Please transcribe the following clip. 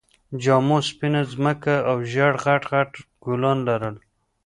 جامو سپينه ځمکه او ژېړ غټ غټ ګلان لرل